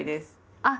あっ！